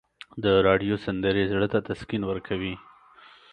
د راډیو سندرې زړه ته تسکین ورکوي.